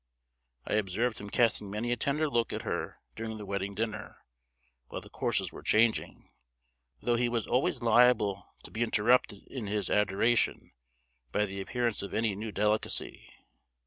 I observed him casting many a tender look at her during the wedding dinner, while the courses were changing; though he was always liable to be interrupted in his adoration by the appearance of any new delicacy.